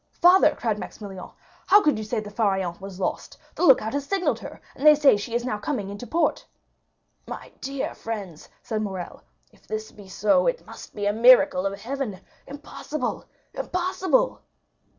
"Father," cried Maximilian, "how could you say the Pharaon was lost? The lookout has signalled her, and they say she is now coming into port." 20063m "My dear friends," said Morrel, "if this be so, it must be a miracle of heaven! Impossible, impossible!"